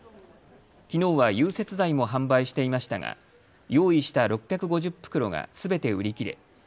きのうは融雪剤も販売していましたが用意した６５０袋がすべて売り切れ